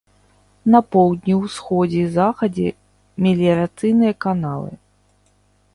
На поўдні, усходзе і захадзе меліярацыйныя каналы.